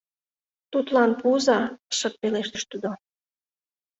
— Тудлан пуыза, — шып пелештыш тудо.